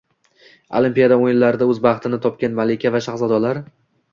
Olimpiada o‘yinlarida o‘z baxtini topgan malika va shahzodalar